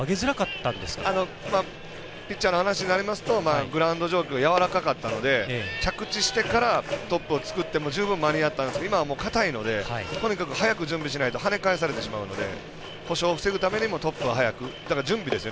ピッチャーの話になりますとグラウンド状況やわらかかったので着地してからトップを作っても十分間に合ったんですけど今は硬いので、早く準備しないと跳ね返されてしまうので故障を防ぐためにもトップを早く。